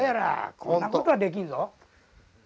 こんなことはできんぞ。